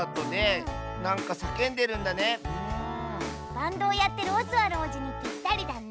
バンドをやってるオスワルおうじにぴったりだね。